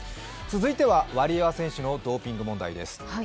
続いては、ワリエワ選手のドーピング問題です。